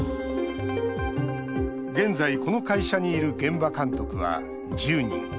現在、この会社にいる現場監督は１０人。